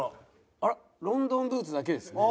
あらロンドンブーツだけですね。